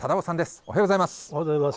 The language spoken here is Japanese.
おはようございます。